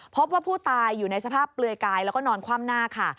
พบว่าผู้ตายอยู่ในสภาพเปลือยกายแล้วก็นอนคว่ำหน้าค่ะ